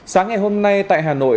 sáng ngày hôm nay tại hà nội